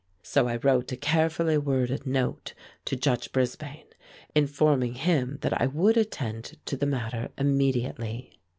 So I wrote a carefully worded note to Judge Brisbane, informing him that I would attend to the matter immediately.